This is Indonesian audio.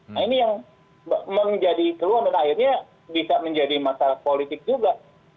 nah ini yang menjadi keluhan dan akhirnya bisa menjadi masalah politik juga